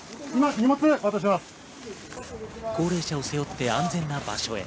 高齢者を背負って安全な場所へ。